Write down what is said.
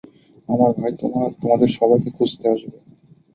আমার ভাই তোমাদের সবাইকে খুঁজতে আসবে।